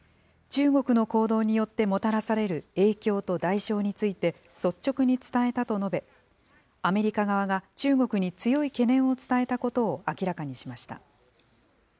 中国の行動によってもたらされる影響と代償について率直に伝えたと述べ、アメリカ側が中国に強い懸念を伝えたことを明らかにしました。